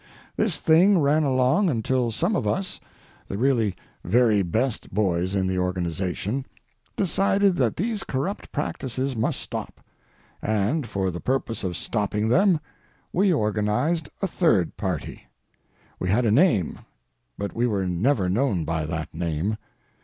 This thing ran along until some of us, the really very best boys in the organization, decided that these corrupt practices must stop, and for the purpose of stopping them we organized a third party. We had a name, but we were never known by that name.